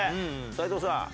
斎藤さん